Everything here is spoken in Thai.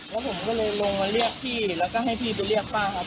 แล้วผมก็เลยลงมาเรียกพี่แล้วก็ให้พี่ไปเรียกป้าครับ